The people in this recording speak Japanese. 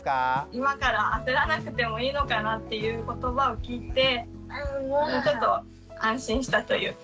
今から焦らなくてもいいのかなっていう言葉を聞いてちょっと安心したというか。